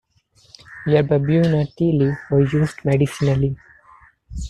Yerba buena tea leaf were used medicinally.